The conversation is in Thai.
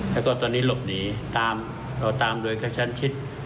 แล้วก็ตอนนี้หลบหนีตามโดยกระชั้นชิด